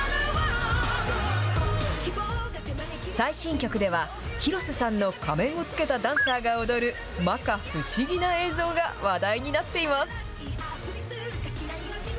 最新曲では、広瀬さんの仮面をつけたダンサーが踊る、まか不思議な映像が、話題になっています。